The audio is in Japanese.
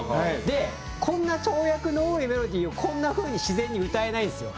でこんな跳躍の多いメロディーをこんなふうに自然に歌えないんですよ。